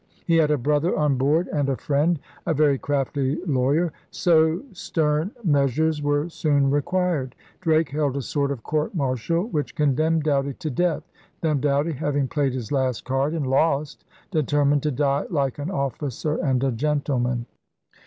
He had a brother on board and a friend, a *very craftie lawyer'; so stern meas ures were soon required. Drake held a sort of court martial which condemned Doughty to death. Then Doughty, having played his last card and lost, determined to die *like an officer and gentle man.'